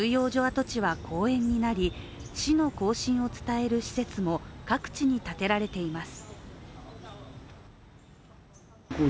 跡地は公園になり死の行進を伝える施設も各地に建てられています。